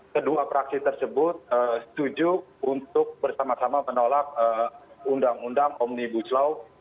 kedua praksi tersebut setuju untuk bersama sama menolak undang undang omnibus law